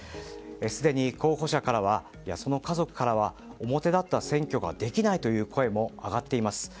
すでに候補者や、その家族からは表立った選挙はできないという声も上がっています。